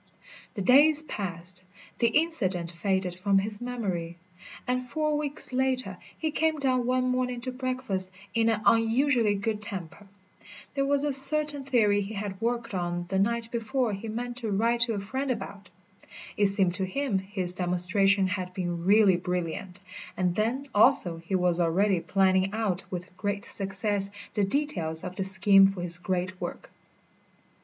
The days passed, the incident faded from his memory, and four weeks later he came down one morning to breakfast in an unusually good temper. There was a certain theory he had worked on the night before he meant to write to a friend about. It seemed to him his demonstration had been really brilliant, and then, also, he was already planning out with great success the details of the scheme for his great work.